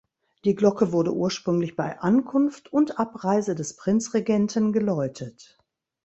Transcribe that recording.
Die Glocke wurde ursprünglich bei Ankunft und Abreise des Prinzregenten geläutet.